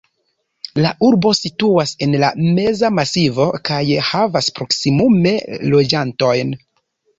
La urbo situas en la Meza Masivo kaj havas proksimume loĝantojn.